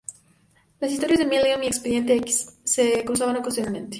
Las historias de "Millennium" y "Expediente X" se cruzaban ocasionalmente.